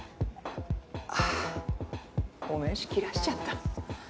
あっお名刺切らしちゃった。